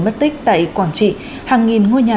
mất tích tại quảng trị hàng nghìn ngôi nhà